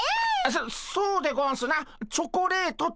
そそうでゴンスなチョコレートとか。